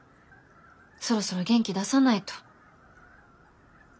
そろそろ元気出さないと。